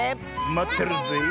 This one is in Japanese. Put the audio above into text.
まってるぜえ。